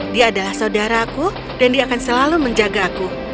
dia adalah saudaraku dan dia akan selalu menjagaku